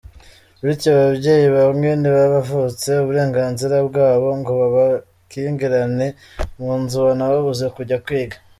Bityo babyeyi bamwe ntibabavutse uburenganzira bwabo ngo babakingirane mu nzu babanababuze kujya kwiga.